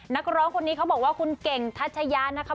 นักร้องคนนี้เขาบอกว่าคุณเก่งทัชยานะคะ